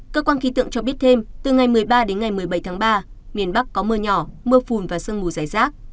cơ quan khí tượng cho biết thêm từ ngày một mươi ba đến ngày một mươi bảy tháng ba miền bắc có mưa nhỏ mưa phùn và sương mù dài rác